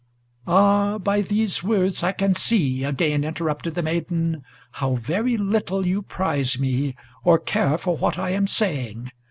"Ah, by these words, I can see," again interrupted the maiden, "How very little you prize me, or care for what I am saying.